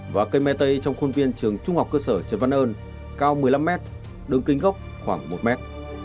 và cây me tây trong khuôn viên trường trung học cơ sở trần văn ơn cao một mươi năm mét đường kính gốc khoảng một mét